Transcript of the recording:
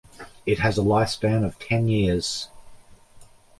It has a lifespan of ten years.